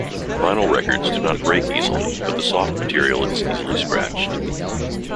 Vinyl records do not break easily, but the soft material is easily scratched.